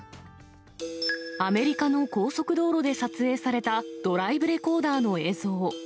アメリカの高速道路で撮影された、ドライブレコーダーの映像。